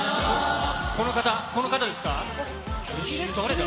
この方、この方ですか？